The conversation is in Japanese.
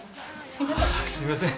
すみません。